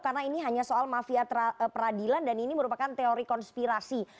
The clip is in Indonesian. karena ini hanya soal mafia peradilan dan ini merupakan teori konspirasi